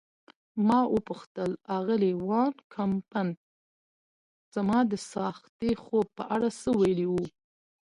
ما وپوښتل: آغلې وان کمپن زما د څاښتي خوب په اړه څه ویلي وو؟